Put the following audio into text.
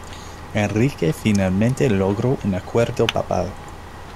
Enrique finalmente logró un acuerdo papal.